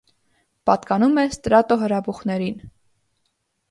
Պատկանում է ստրատոհրաբուխներին։